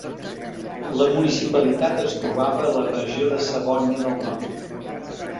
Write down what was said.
La municipalitat es trobava a la regió de Savònia del Nord.